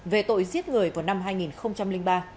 về tội giết người vào năm hai nghìn ba